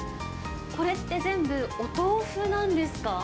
これって全部、お豆腐なんですか？